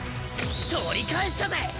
取り返したぜ！